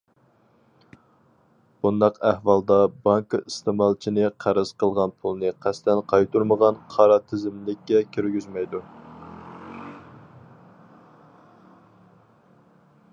بۇنداق ئەھۋالدا بانكا ئىستېمالچىنى قەرز قىلغان پۇلنى قەستەن قايتۇرمىغان قارا تىزىملىككە كىرگۈزمەيدۇ.